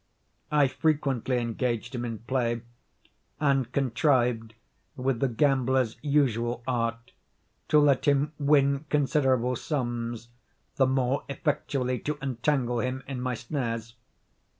I frequently engaged him in play, and contrived, with the gambler's usual art, to let him win considerable sums, the more effectually to entangle him in my snares.